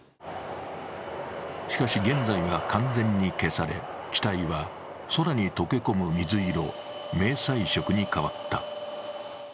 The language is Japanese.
しかし、現在は完全に消され、機体は空に溶け込む水色、迷彩色に変わった。